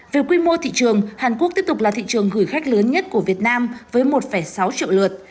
về quy mô thị trường hàn quốc tiếp tục là thị trường gửi khách lớn nhất của việt nam với một sáu triệu lượt